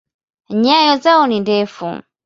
Nyayo zao ni ndefu.